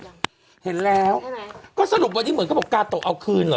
เห็นแล้วก็สรุปวันนี้เหมือนเขาบอกกาโตะเอาคืนเหรอ